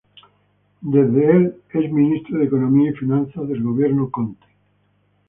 Desde el es Ministro de Economía y Finanzas del Gobierno Conte.